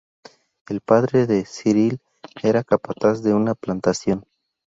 El padre de Cyril era capataz de una plantación.